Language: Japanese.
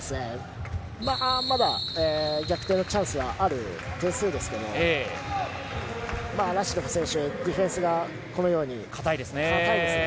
まだ逆転のチャンスはある点数ですけどラシドフ選手、ディフェンスがこのように堅いですね。